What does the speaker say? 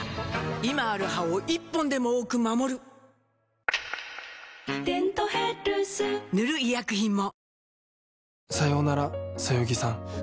今ある歯を１本でも多く守る「デントヘルス」塗る医薬品も